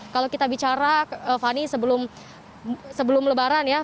kalau kita bicara fani sebelum lebaran ya